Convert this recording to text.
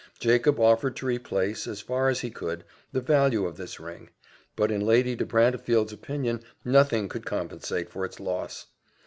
Jacob offered to replace, as far as he could, the value of this ring; but in Lady de Brantefield's opinion nothing could compensate for its loss.